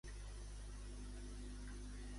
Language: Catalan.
Qui inspira a fer el mal, a més a més?